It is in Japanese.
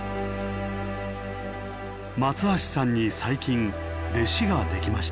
松橋さんに最近弟子ができました。